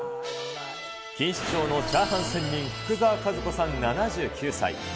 錦糸町のチャーハン仙人、福澤和子さん７９歳。